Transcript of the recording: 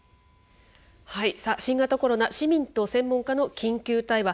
さあ、新型コロナ市民と専門家の緊急対話。